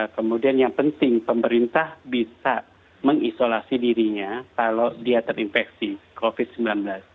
kemudian yang penting pemerintah bisa mengisolasi dirinya kalau dia terinfeksi covid sembilan belas